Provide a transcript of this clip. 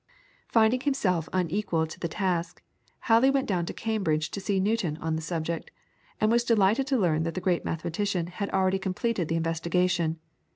Finding himself unequal to the task, Halley went down to Cambridge to see Newton on the subject, and was delighted to learn that the great mathematician had already completed the investigation.